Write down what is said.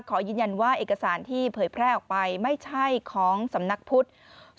ขอยืนยันว่าเอกสารที่เผยแพร่ออกไปไม่ใช่ของสำนักพุทธ